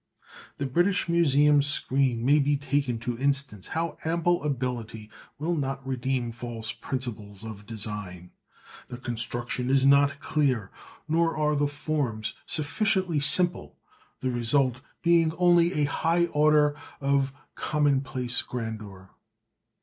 The British Museum screen may be taken to instance how ample ability will not redeem false principles of design: the construction is not clear, nor are the forms sufficiently simple, the result being only a high order of commonplace grandeur.